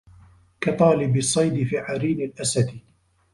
كطالب الصيد في عرين الأسد